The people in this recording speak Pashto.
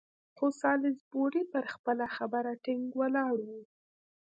خو سالیزبوري پر خپله خبره ټینګ ولاړ وو.